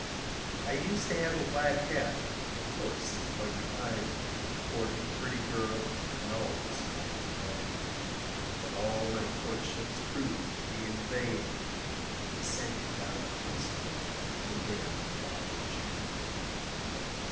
I used to sport a white hat, a horse and buggy fine, Courted a pretty girl and always called her mine; But all my courtships proved to be in vain, For they sent me down to Huntsville to wear the ball and chain.